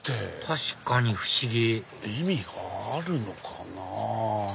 確かに不思議意味があるのかな？